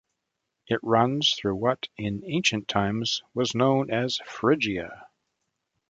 It runs through what in ancient times was known as Phrygia.